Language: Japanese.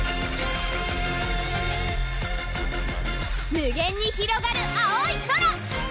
無限にひろがる青い空！